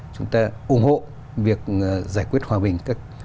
chúng ta ủng hộ việc giải quyết hòa bình